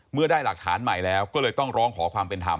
เมื่อได้หลักฐานใหม่แล้วก็เลยต้องร้องขอความเป็นธรรม